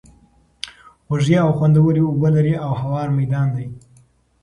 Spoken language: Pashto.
خوږې او خوندوَري اوبه لري، او هوار ميدان دی